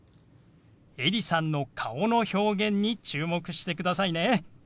エリさんの顔の表現に注目してくださいね。